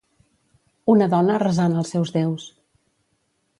Una dona resant als seus déus.